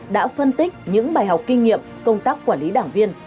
đã phân tích những bài học kinh nghiệm công tác quản lý đảng viên